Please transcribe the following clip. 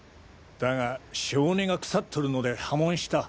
だが性根が腐っとるので破門した。